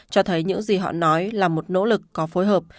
cho thấy những gì họ nói là một nỗ lực có phối hợp